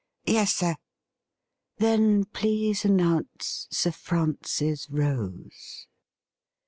' Yes, sir.' ' Then, please announce Sir Francis Rose.'